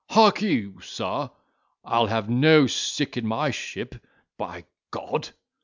Harkee, you sir, I'll have no sick in my ship, by G—d."